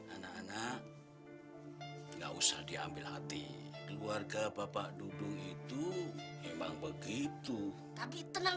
anak anak enggak usah diambil hati keluarga bapak dudung itu memang begitu tapi tenang